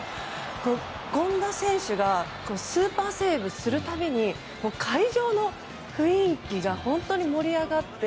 権田選手がスーパーセーブするたびに会場の雰囲気が本当に盛り上がって。